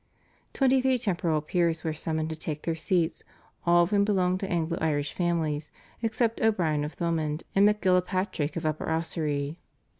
Twenty three temporal peers were summoned to take their seats, all of whom belonged to Anglo Irish families except O'Brien of Thomond and MacGillapatrick of Upper Ossory.